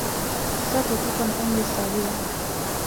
Sote tuko na umri sawia.